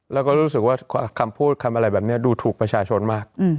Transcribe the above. แล้วก็รู้สึกว่าคำพูดคำอะไรแบบนี้ดูถูกประชาชนมาก